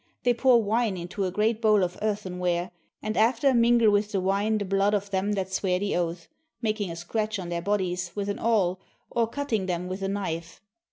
They pour wine into a great bowl of earthenware, and after mingle with the wine the blood of them that swear the oath, making a scratch on their bodies with an awl or cutting them with a knife.